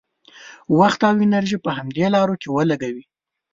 وخت او انرژي په همدې لارو کې ولګوي.